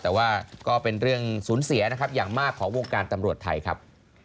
แต่ว่าก็เป็นเรื่องสูญเสียนะครับอย่างมากของวงการตำรวจไทยครับ